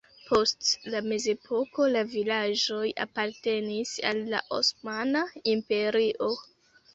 Post la mezepoko la vilaĝoj apartenis al la Osmana Imperio.